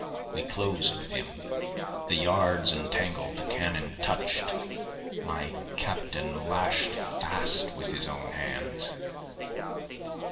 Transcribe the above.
We closed with him, the yards entangled, the cannon touch'd, My captain lash'd fast with his own hands.